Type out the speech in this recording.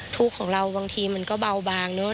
ทุกข์ของเราบางทีมันก็เบาบางเนอะ